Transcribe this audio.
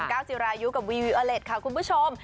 ก้าวจิรายุกับวีวิวอเล็ตค่ะคุณผู้ชม